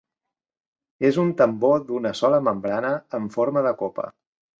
És un tambor d'una sola membrana amb forma de copa.